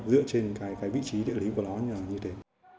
dựa trên vị trí địa lý của nó như thế